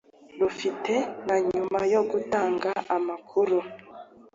rufite na nyuma yo gutanga amakuru